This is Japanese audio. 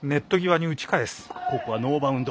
ここはノーバウンド。